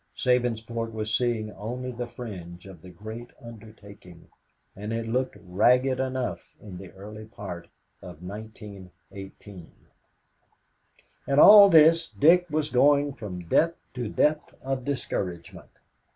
Sabinsport was seeing only the fringe of the great undertaking, and it looked ragged enough in the early part of 1918. In all this, Dick was going from depth to depth of discouragement.